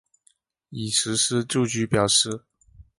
已实施住居表示。